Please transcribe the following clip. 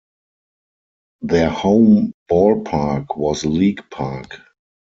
Their home ballpark was League Park.